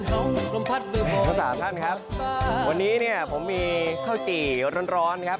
ลมพัดมือผมทั้งสามท่านครับวันนี้เนี่ยผมมีข้าวจี่ร้อนร้อนครับ